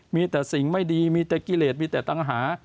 มีแต่สิ่งไม่ดีมีแต่กิเลสมีแต่ตังหา